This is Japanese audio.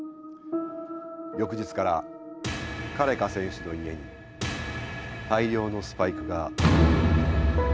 翌日からカレカ選手の家に大量のスパイクが届きました。